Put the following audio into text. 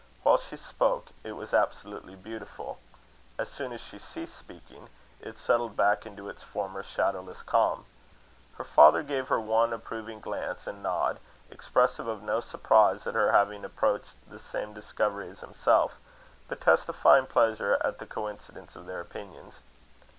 While she spoke it was absolutely beautiful. As soon as she ceased speaking, it settled back into its former shadowless calm. Her father gave her one approving glance and nod, expressive of no surprise at her having approached the same discovery as himself, but testifying pleasure at the coincidence of their opinions.